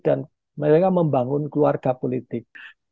dan mereka membangun keluarga politik